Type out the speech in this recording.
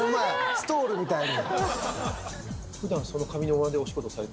ストールみたいに。